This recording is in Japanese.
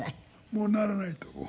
もうならないと思う。